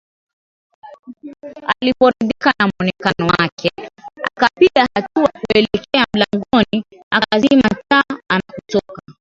Aliporidhika na mwonekano wake akapiga hatua kuelekea mlangoni akazima ta ana kutoka